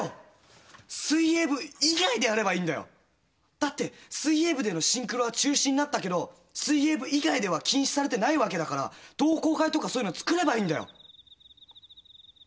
だって水泳部でのシンクロは中止になったけど水泳部以外では禁止されてないわけだから同好会とかそういうの作ればいいんだよ。